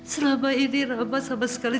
selama ini rabat sama sekali